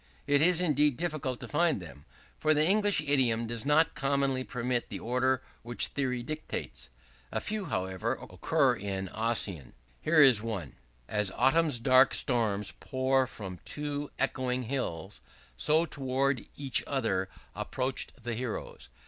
It is indeed difficult to find them; for the English idiom does not commonly permit the order which theory dictates. A few, however, occur in Ossian. Here is one: "As autumn's dark storms pour from two echoing hills, so towards each other approached the heroes.